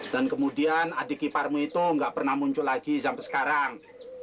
dan kemudian adik kiparmu itu gak pernah muncul lagi sampai sekarang